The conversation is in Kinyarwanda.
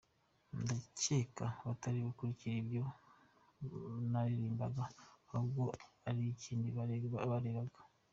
Ndakeka batari bakurikiye ibyo naririmbaga, ahubwo hari ikindi barebaga.